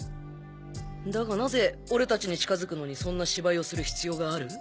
だがなぜ俺たちに近づくのにそんな芝居をする必要がある？